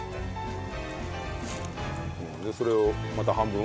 それをまた半分？